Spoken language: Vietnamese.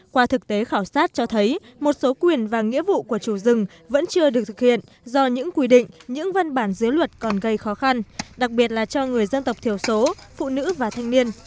qua thực tế khảo sát cho thấy một số quyền và nghĩa vụ của chủ rừng vẫn chưa được thực hiện do những quy định những văn bản dưới luật còn gây khó khăn đặc biệt là cho người dân tộc thiểu số phụ nữ và thanh niên